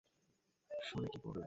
শুনে কী করলে?